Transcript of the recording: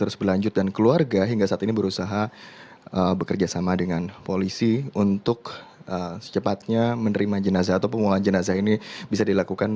sejauh ini apa yang telah dilakukan